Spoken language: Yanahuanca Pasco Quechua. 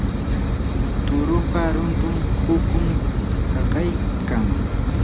turupa runtu pukun hakaykan.